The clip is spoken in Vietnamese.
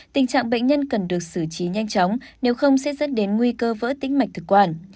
tình trạng bệnh nhân cần được xử trí nhanh chóng nếu không sẽ dẫn đến nguy cơ vỡ tính mạch thực quản